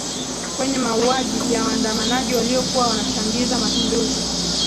kwenye mauwaji ya waandamanaji waliokuwa wanachangiza mapinduzi